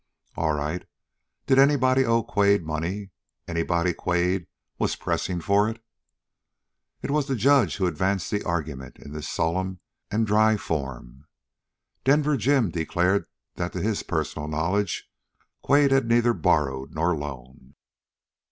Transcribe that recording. "All right! Did anybody owe Quade money, anybody Quade was pressing for it?" It was the judge who advanced the argument in this solemn and dry form. Denver Jim declared that to his personal knowledge Quade had neither borrowed nor loaned.